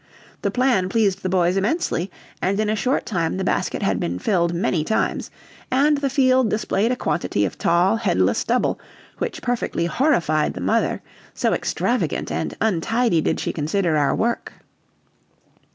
The plan pleased the boys immensely, and in a short time the basket had been filled many times, and the field displayed a quantity of tall, headless stubble, which perfectly horrified the mother, so extravagant and untidy did she consider our work.